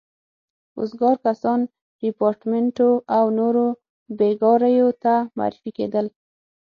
وزګار کسان ریپارټیمنټو او نورو بېګاریو ته معرفي کېدل.